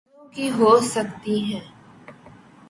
مریضوں کی ہو سکتی ہیں